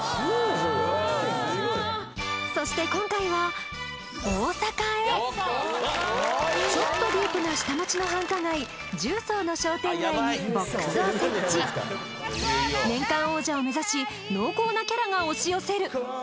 そして今回はちょっとディープな下町の繁華街十三の商店街にボックスを設置年間王者を目指し濃厚なキャラが押し寄せる！